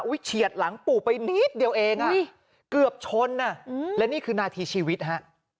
อุ้ยเฉียดหลังปู่ไปนิดเดียวเองอุ้ยเกือบชนอ่ะอืมแล้วนี่คือนาธิชีวิตฮะ